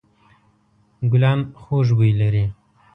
ګلان خوږ بوی لري.